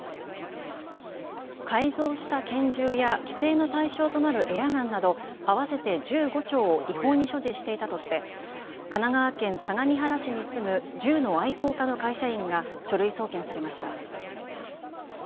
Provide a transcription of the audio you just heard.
改造した拳銃や規制の対象となるエアガンなど合わせて１５丁を違法に所持していたとして神奈川県相模原市に住む銃の愛好家の会社員が書類送検されました。